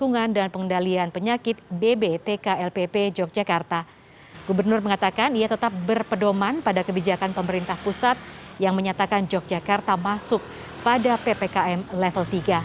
gubernur mengatakan ia tetap berpedoman pada kebijakan pemerintah pusat yang menyatakan yogyakarta masuk pada ppkm level tiga